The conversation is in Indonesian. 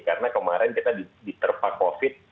karena kemarin kita diterpak covid